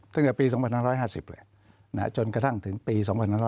ตั้งแต่ปี๒๕๕๐เลยจนกระทั่งถึงปี๒๕๖๐